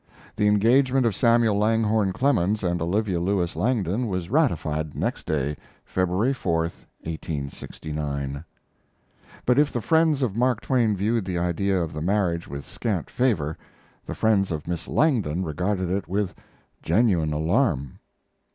The engagement of Samuel Langhorne Clemens and Olivia Lewis Langdon was ratified next day, February 4, 1869. But if the friends of Mark Twain viewed the idea of the marriage with scant favor, the friends of Miss Langdon regarded it with genuine alarm.